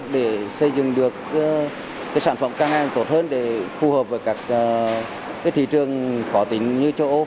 để xây dựng được sản phẩm càng tốt hơn để phù hợp với các thị trường khó tính như châu âu